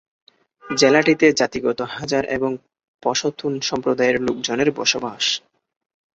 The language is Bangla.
জেলাটিতে জাতিগত হাজারা এবং পশতুন সম্প্রদায়ের লোকজনের বসবাস।